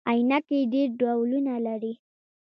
عینکي ډیر ډولونه لري